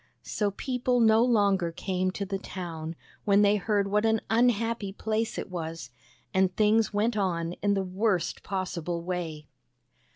So people no longer came to the town, when they heard what an unhappy place it was, and things went on in the worst possible way.